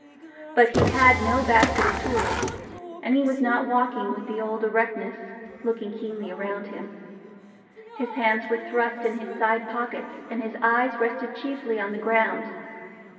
But he had no basket of tools, and he was not walking with the old erectness, looking keenly round him; his hands were thrust in his side pockets, and his eyes rested chiefly on the ground.